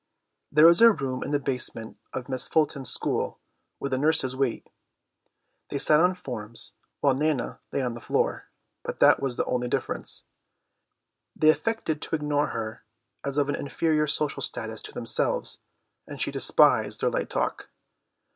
There is a room in the basement of Miss Fulsom's school where the nurses wait. They sat on forms, while Nana lay on the floor, but that was the only difference. They affected to ignore her as of an inferior social status to themselves, and she despised their light talk.